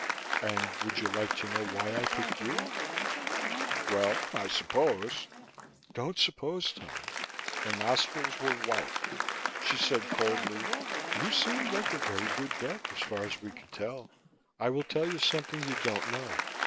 And would you like to know why I picked you?" "Well, I suppose " "Don't suppose, Tom." Her nostrils were white. She said coldly: "You seemed like a very good bet, as far as we could tell. I will tell you something you don't know.